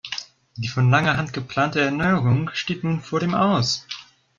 Die von langer Hand geplante Erneuerung steht nun vor dem Aus.